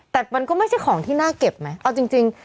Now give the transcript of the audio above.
แต่มันก็ไม่ใช่ของที่น่าเก็บไหมเอาจริง